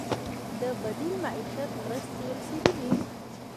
د بدیل معیشت مرستې رسیدلي؟